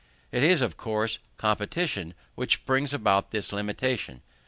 It is, of course, competition, which brings about this limitation.